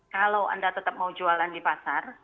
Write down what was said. kalau anda tetap mau jualan di pasar